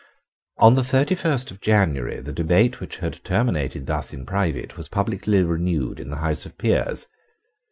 On the thirty first of January the debate which had terminated thus in private was publicly renewed in the House of Peers.